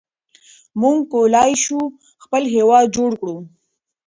موږ کولای شو خپل هېواد جوړ کړو.